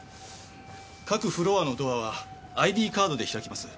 各フロアのドアはＩＤカードで開きます。